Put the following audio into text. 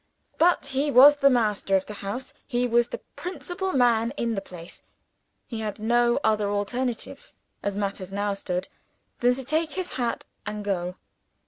But he was the master of the house; he was the principal man in the place he had no other alternative, as matters now stood, than to take his hat and go.